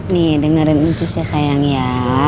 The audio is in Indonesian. nih dengerin itu cus ya sayang ya